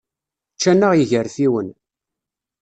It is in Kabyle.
Ččan-aɣ yigerfiwen.